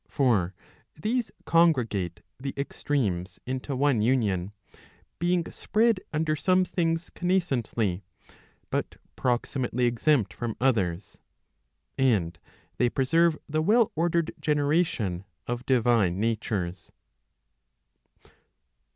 For these congre¬ gate the extremes into one union, being spread under some things connascently, but proximately exempt from others. And they preserve the well ordered generation of divine natures.